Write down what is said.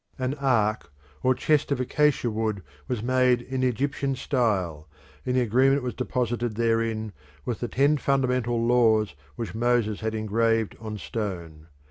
An ark or chest of acacia wood was made in the Egyptian style, and the agreement was deposited therein with the ten fundamental laws which Moses had engraved on stone.